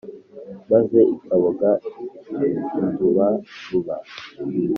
maze ikaboga indubaruba